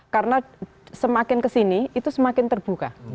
karena semakin kesini itu semakin terbuka